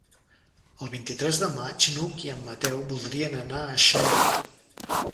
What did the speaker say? El vint-i-tres de maig n'Hug i en Mateu voldrien anar a Xera.